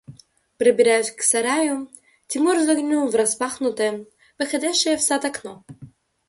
…Пробираясь к сараю, Тимур заглянул в распахнутое, выходящее в сад окно.